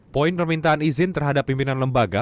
poin permintaan izin terhadap pimpinan lembaga